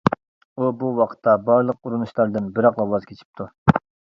ئۇ بۇ ۋاقىتتا بارلىق ئۇرۇنۇشلاردىن بىراقلا ۋاز كېچىپتۇ.